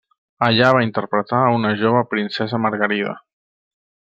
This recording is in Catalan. Allà va interpretar a una jove princesa Margarida.